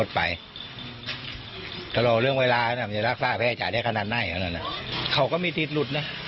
ตุ่มไปกระโละเรื่องเวลามีทราบแค่จ่ายได้ขนาดนะเขาก็มีฤทธิ์รุดนะ